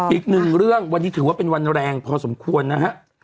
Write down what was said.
อีกหนึ่งเรื่องวันนี้ถือว่าเป็นวันแรงพอสมควรนะฮะ